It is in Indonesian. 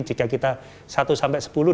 jika kita satu sepuluh dia berubah